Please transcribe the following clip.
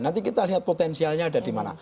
nanti kita lihat potensialnya ada di mana